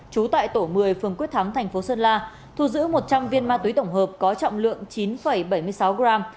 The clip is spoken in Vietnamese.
trú tại tổ một mươi phường quyết thắng thành phố sơn la thu giữ một trăm linh viên ma túy tổng hợp có trọng lượng chín bảy mươi sáu gram